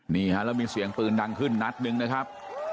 นี่ฮะแล้วมีเสียงปืนดังขึ้นนัดหนึ่งนะครับ